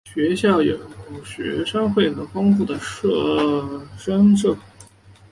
学校有学生会和丰富的学生社团。